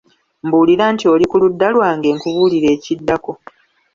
Mbuulira nti oli ku ludda lwange nkubuulire ekiddako.